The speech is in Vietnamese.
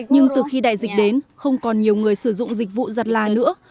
nhưng từ khi đại dịch đến không còn nhiều người sử dụng dịch vụ giặt là nữa